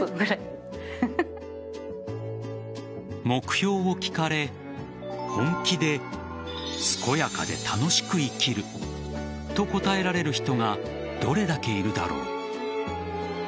目標を聞かれ本気で健やかで楽しく生きると答えられる人がどれだけいるだろう。